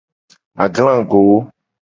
Aglago.